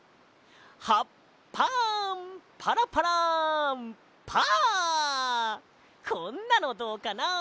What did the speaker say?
「葉っぱパラパラパー」こんなのどうかな？